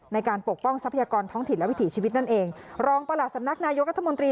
ปกป้องทรัพยากรท้องถิ่นและวิถีชีวิตนั่นเองรองประหลัดสำนักนายกรัฐมนตรี